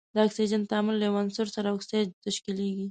د اکسیجن تعامل له یو عنصر سره اکساید تشکیلیږي.